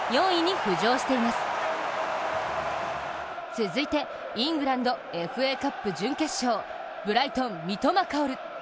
続いて、イングランド・ＦＡカップ準決勝ブライトン、三笘薫。